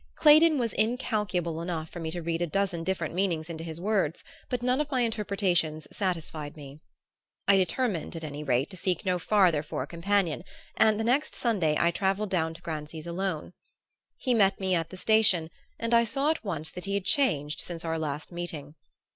Claydon was incalculable enough for me to read a dozen different meanings into his words; but none of my interpretations satisfied me. I determined, at any rate, to seek no farther for a companion; and the next Sunday I travelled down to Grancy's alone. He met me at the station and I saw at once that he had changed since our last meeting.